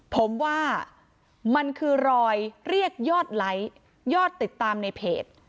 ผมว่ามันคือรอยเรียกยอดไลค์ยอดติดตามในเพจ